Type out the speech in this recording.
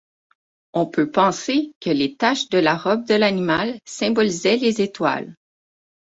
On peut penser que les taches de la robe de l'animal symbolisaient les étoiles.